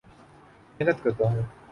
محنت کرتا ہوں